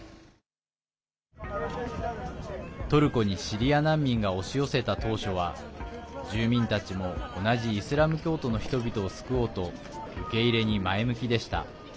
トルコにシリア難民が押し寄せた当初は、住民たちも同じイスラム教徒の人々を救おうと受け入れに前向きでした。